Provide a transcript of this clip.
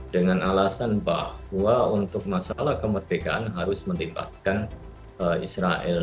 dengan alasan bahwa untuk masalah kemerdekaan harus melibatkan israel